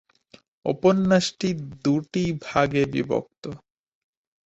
উপন্যাসটি দুটি ভাগে বিভক্ত।